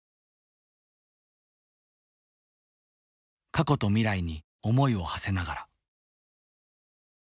過去と未来に思いをはせながら。